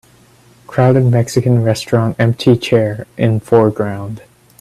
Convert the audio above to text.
Crowded Mexican restaurant empty chair in foreground